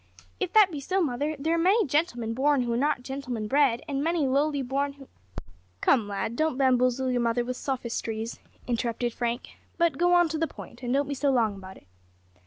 If that be so, mother, there are many gentlemen born who are not gentlemen bred, and many lowly born who " "Come, lad, don't bamboozle your mother with sophistries," interrupted Frank, "but go on to the point, and don't be so long about it."